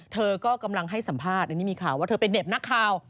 เธอก็กำลังให้สัมภาษณ์อันนี้มีข่าวว่าเธอเป็นเห็บนักข่าว